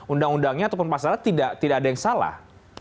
undang undangnya ataupun pasalnya tidak ada yang salah